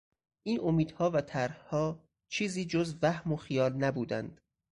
این امیدها و طرحها چیزی جز وهم و خیال نبودند.